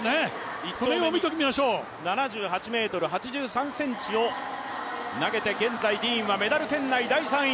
１投目、７８ｍ８３ｃｍを投げて現在ディーンはメダル圏内、第３位。